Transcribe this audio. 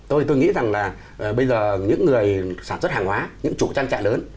tôi nghĩ rằng là bây giờ những người sản xuất hàng hóa những chủ trang trại lớn